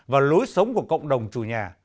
và lối sống của cộng đồng chủ nhà